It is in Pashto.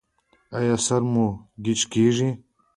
ایا سر مو ګیچ کیږي؟